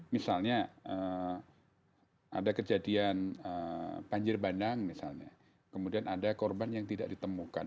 misalnya ada kejadian banjir bandang misalnya kemudian ada korban yang tidak ditemukan